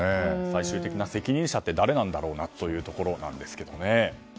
最終的な責任者って誰なんだろうというところですね。